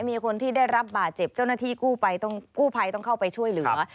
มีคนที่ได้รับบาดเจ็บเจ้าหน้าที่กู้ภัยต้องกู้ภัยต้องเข้าไปช่วยเหลือ